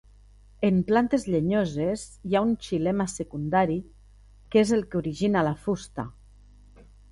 En plantes llenyoses hi ha un xilema secundari que és el que origina la fusta.